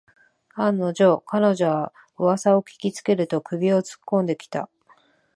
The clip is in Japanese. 案の定、彼女はうわさを聞きつけると首をつっこんできた